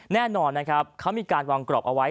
แน่นอนนะครับเขามีการวางกรอบเอาไว้